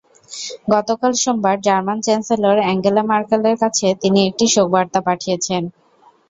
গতকাল সোমবার German chancellor Angela ম্যার্কেলের কাছে তিনি একটি শোকবার্তা পাঠিয়েছেন।